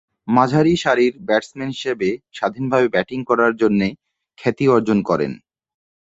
মাঝারিসারির batsman হিসেবে স্বাধীনভাবে batting করার জন্যে খ্যাতি অর্জন করেন।